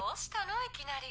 いきなり。